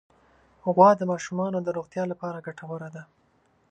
غوا د ماشومانو د روغتیا لپاره ګټوره ده.